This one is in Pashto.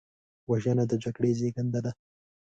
وژنه د جګړې زیږنده ده